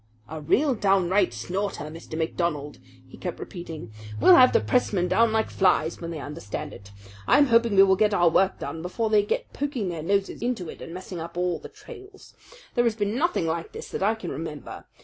"A real downright snorter, Mr. MacDonald!" he kept repeating. "We'll have the pressmen down like flies when they understand it. I'm hoping we will get our work done before they get poking their noses into it and messing up all the trails. There has been nothing like this that I can remember.